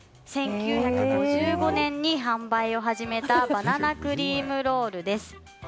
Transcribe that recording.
１９５５年に販売を始めたバナナクリームロールです。